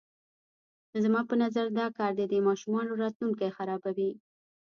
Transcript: زما په نظر دا کار د دې ماشومانو راتلونکی خرابوي.